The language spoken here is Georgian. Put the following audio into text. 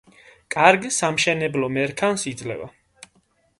კარგ სამშენებლო მერქანს იძლევა.